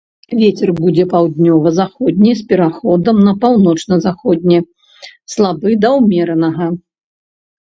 Вецер будзе паўднёва-заходні з пераходам на паўночна-заходні, слабы да ўмеранага.